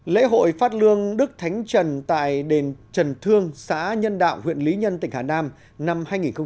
lễ hội phát lương đức thánh trần tại đền trần thương xã nhân đạo huyện lý nhân tỉnh hà nam năm hai nghìn một mươi chín